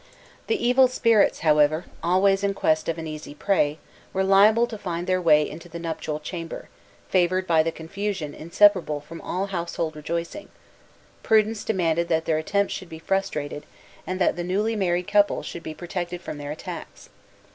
The evil spirits, however, always in quest of an easy prey, were liable to find their way into the nuptial chamber, favoured by the confusion inseparable from all household rejoicing: prudence demanded that their attempts should be frustrated, and that the newly married couple should be protected from their attacks.